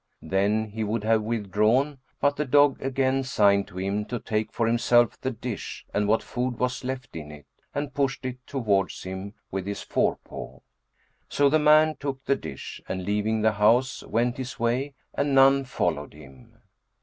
Then he would have withdrawn, but the dog again signed to him to take for himself the dish and what food was left in it, and pushed it towards him with his fore paw. So the man took the dish and leaving the house, went his way, and none followed him.